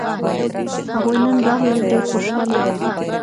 هغوی نن راغلل ډېر خوشاله وو